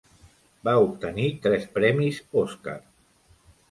Va obtenir tres premis Oscar.